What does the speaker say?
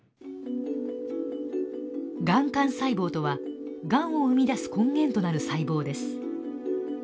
がん幹細胞とはがんを生み出す根源となる細胞です。